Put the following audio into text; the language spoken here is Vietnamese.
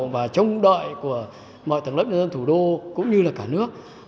và trông đợi của mọi tầng lớp nhân dân thủ đô cũng như là cả nước